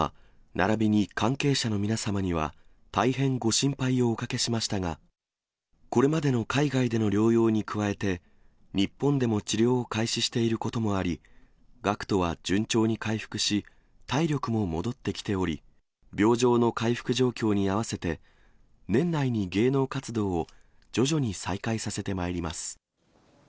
ならびに関係者の皆様には、大変ご心配をおかけしましたが、これまでの海外での療養に加えて、日本でも治療を開始していることもあり、ＧＡＣＫＴは順調に回復し、体力も戻ってきており、病状の回復状況に合わせて、年内に芸能活動を徐々に再開させてまいります。